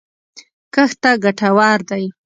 کښت ته ګټور دی